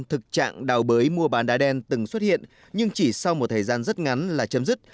thực trạng đào bới mua bán đá đen từng xuất hiện nhưng chỉ sau một thời gian rất ngắn là chấm dứt